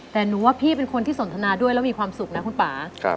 แต่หนูว่าพี่เป็นคนที่สนทนาด้วยแล้วมีความสุขนะคุณป่า